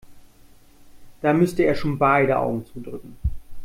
Da müsste er schon beide Augen zudrücken.